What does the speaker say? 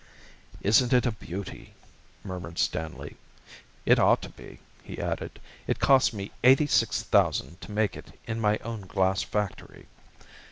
"Isn't it a beauty?" murmured Stanley. "It ought to be," he added. "It cost me eighty six thousand to make it in my own glass factory.